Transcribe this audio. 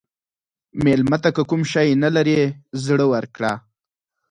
مېلمه ته که کوم شی نه لرې، زړه ورکړه.